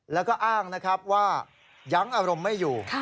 แล้วก็อ้างนะครับว่ายังอารมณ์ไม่อยู่